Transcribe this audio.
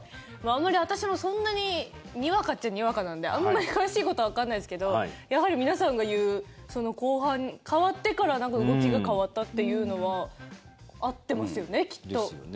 あまり私も、そんなににわかっちゃ、にわかなんであんまり詳しいことはわかんないですけどやはり皆さんが言う後半、代わってから動きが変わったっていうのは合ってますよね、きっと。